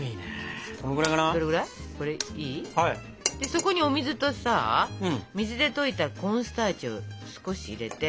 そこにお水とさ水で溶いたコーンスターチを少し入れて。